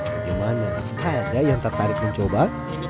bagaimana ada yang tertarik mencoba